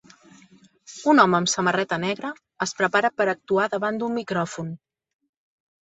Un home amb samarreta negra es prepara per actuar davant d'un micròfon.